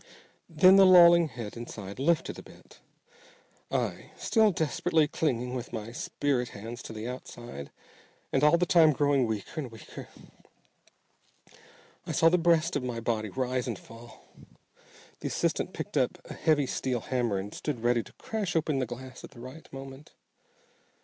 Then the lolling head inside lifted a bit. I still desperately clinging with my spirit hands to the outside, and all the time growing weaker and weaker I saw the breast of my body rise and fall. The assistant picked up a heavy steel hammer and stood ready to crash open the glass at the right moment.